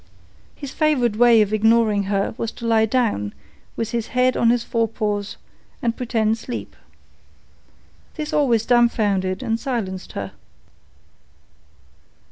His favourite way of ignoring her was to lie down, with his head on his fore paws, and pretend sleep. This always dumfounded and silenced her.